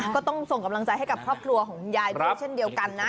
ก็ต้องส่งกำลังใจให้กับครอบครัวของคุณยายด้วยเช่นเดียวกันนะ